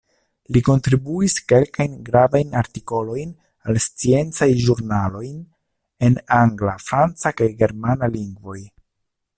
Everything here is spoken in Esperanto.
Li kontribuis kelkajn gravajn artikolojn al sciencaj ĵurnaloj en angla, franca kaj germana lingvoj.